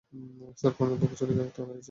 Sir, কর্ণের বুকে ছুরিকাঘাত করা হয়েছে।